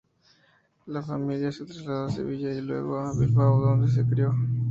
La familia se trasladó a Sevilla y luego a Bilbao, donde se crio.